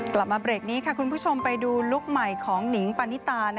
กลับมาเบรกนี้ค่ะคุณผู้ชมไปดูลุคใหม่ของหนิงปานิตา